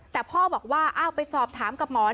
แต่พ่อบอกว่าอ้าวไปสอบถามกับหมอ